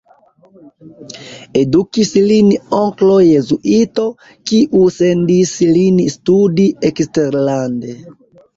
Edukis lin onklo jezuito, kiu sendis lin studi eksterlande.